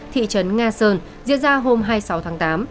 thị trấn nga sơn diễn ra hôm hai mươi sáu tháng tám